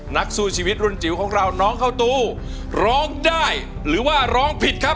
นักสู้ชีวิตรุ่นจิ๋วของเราน้องข้าวตูร้องได้หรือว่าร้องผิดครับ